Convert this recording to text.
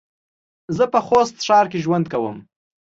زه په خوست ښار کې ژوند کوم